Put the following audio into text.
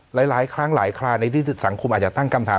หลายครั้งหลายคราในที่สังคมอาจจะตั้งคำถาม